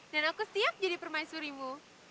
dan aku siap jadi permaisurimu